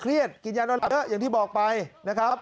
เครียดกินยานอนหลับเยอะอย่างที่บอกไปนะครับ